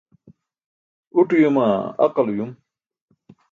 Uṭ uyuma, aqal uyum?